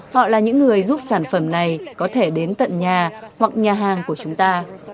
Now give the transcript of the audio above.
họ là những người giúp sản phẩm này có thể đến tận nhà hoặc nhà hàng của chúng ta